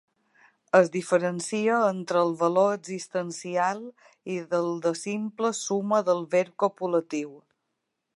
Es diferencia entre el valor existencial i del de simple suma del verb copulatiu.